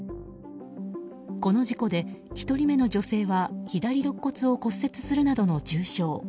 この事故で１人目の女性は左ろっ骨を骨折するなどの重傷。